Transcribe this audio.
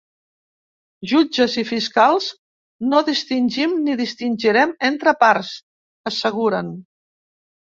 Jutges i fiscals no distingim ni distingirem entre parts, asseguren.